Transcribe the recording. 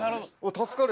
助かる。